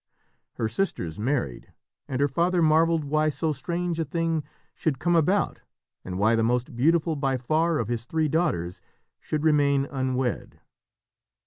Her sisters married, and her father marvelled why so strange a thing should come about and why the most beautiful by far of his three daughters should remain unwed.